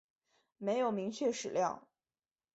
没有明确史料